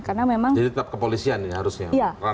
jadi tetap kepolisian ini harusnya